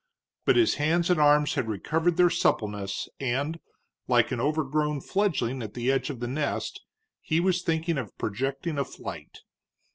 But his hands and arms had recovered their suppleness, and, like an overgrown fledgling at the edge of the nest, he was thinking of projecting a flight.